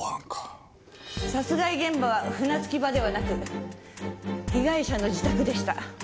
殺害現場は船着き場ではなく被害者の自宅でした。